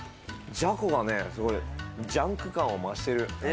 じゃこが、すごいジャンク感を増してる。